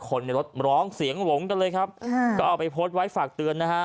คนในรถร้องเสียงหลงกันเลยครับก็เอาไปโพสต์ไว้ฝากเตือนนะฮะ